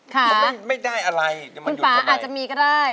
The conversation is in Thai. ค่ะค่ะไม่ได้อะไรจะมาหยุดกันไหมคุณป๊าอาจจะมีก็ได้